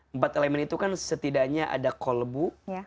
empat elemen itu kan setidaknya ada kolbu